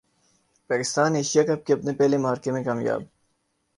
Pakistan Asia cup کے اپنے پہلے معرکے میں کامیاب